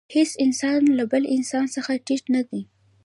هېڅ انسان له بل انسان څخه ټیټ نه دی.